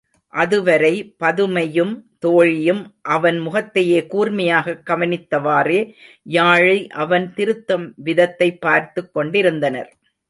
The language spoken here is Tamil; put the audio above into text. அதுவரை பதுமையும், தோழியும் அவன் முகத்தையே கூர்மையாகக் கவனித்தவாறே யாழை அவன் திருத்தும் விதத்தைப் பார்த்துக் கொண்டிருந்தனர்.